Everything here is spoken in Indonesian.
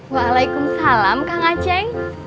waalaikumsalam kang aceh